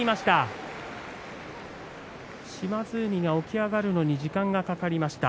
島津海が起き上がるのに時間がかかりました。